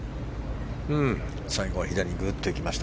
最後は左にぐっといきました。